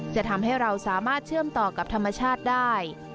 จะทำให้เราสามารถเชื่อมต่อกับธรรมชาติได้